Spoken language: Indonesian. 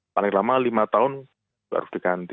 paling lama lima tahun harus diganti